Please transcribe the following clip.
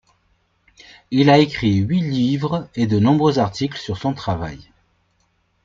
Il a écrit huit livres et de nombreux articles sur son travail.